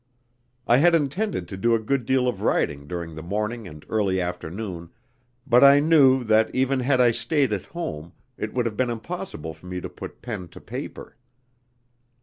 I had intended to do a good deal of writing during the morning and early afternoon, but I knew that, even had I stayed at home, it would have been impossible for me to put pen to paper.